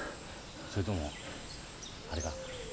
それともあれか？